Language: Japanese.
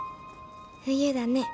冬だね。